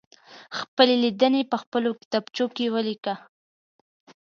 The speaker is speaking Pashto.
خپلې لیدنې په خپلو کتابچو کې ولیکئ.